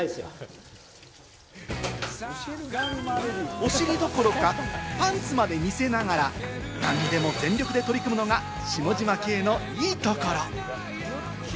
お尻どころかパンツまで見せながら、何にでも全力で取り組むのが下嶋兄のいいところ。